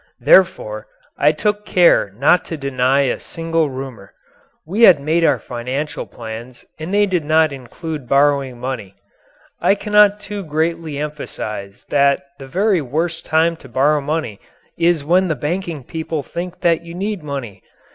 Therefore, I took care not to deny a single rumour. We had made our financial plans and they did not include borrowing money. I cannot too greatly emphasize that the very worst time to borrow money is when the banking people think that you need money.